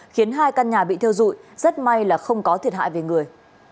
khiến hai căn nhà bị thiêu dụi rất may là không có thiệt hại về người